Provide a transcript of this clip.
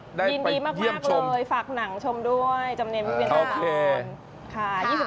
ยินดีมากเลยฝากหนังชมด้วยจำเนียนพี่เวียนต้านค่ะ